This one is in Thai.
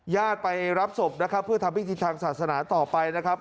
ยากไปรับศพเพื่อทำพิจิตรทางศาสนาต่อไปนะครับ